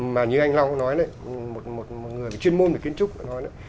mà như anh long nói đấy một người chuyên môn về kiến trúc nói đấy